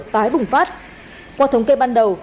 tái bùng phát qua thống kê ban đầu